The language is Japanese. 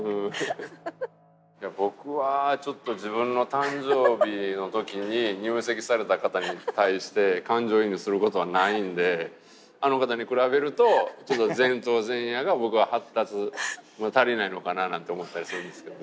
いや僕はちょっと自分の誕生日の時に入籍された方に対してあの方に比べるとちょっと前頭前野が僕は発達が足りないのかななんて思ったりするんですけども。